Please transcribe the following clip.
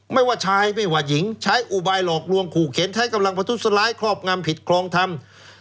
ไม่ว่าชายไม่ว่าหญิงใช้อุบายหลอกลวงขู่เข็นใช้กำลังประทุษร้ายครอบงำผิดครองธรรม